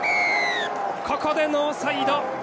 ここでノーサイド！